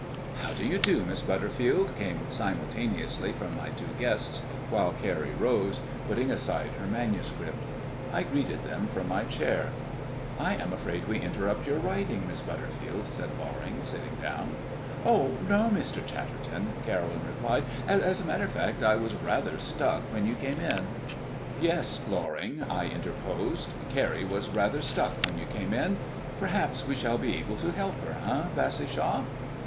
"How do you do, Miss Butterfield?" came simultaneously from my two guests, while Carrie rose, putting aside her manuscript. I greeted them from my chair. "I am afraid we interrupt your writing, Miss Butterfield," said Loring, sitting down. "Oh no, Mr. Chatterton," Caroline replied. "As a matter of fact I was rather stuck when you came in." "Yes, Loring," I interposed, "Carrie was rather stuck when you came in. Perhaps we shall be able to help her, eh, Bassishaw?"